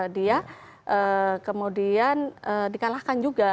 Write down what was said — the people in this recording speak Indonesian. dia kemudian dikalahkan juga